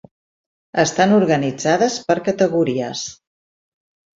Estan organitzades per categories.